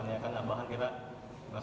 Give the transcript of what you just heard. kalau kita beli bahan salah itu bakal mengeja